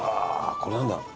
これなんだろう？